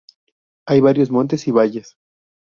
Hay varios montes y valles.